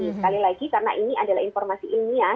sekali lagi karena ini adalah informasi ilmiah